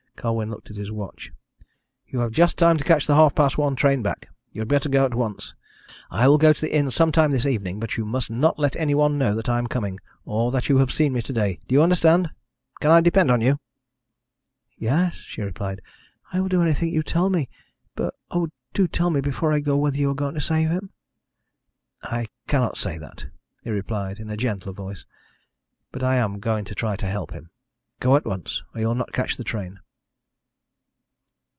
Colwyn looked at his watch. "You have just time to catch the half past one train back. You had better go at once. I will go to the inn some time this evening, but you must not let any one know that I am coming, or that you have seen me to day. Do you understand? Can I depend on you?" "Yes," she replied. "I will do anything you tell me. But, oh, do tell me before I go whether you are going to save him." "I cannot say that," he replied, in a gentler voice. "But I am going to try to help him. Go at once, or you will not catch the train."